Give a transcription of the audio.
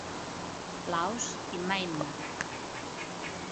Laos i Myanmar.